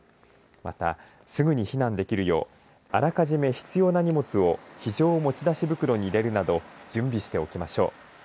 また、すぐに避難できるようあらかじめ、必要な荷物を非常持ち出し袋に入れるなど準備しておきましょう。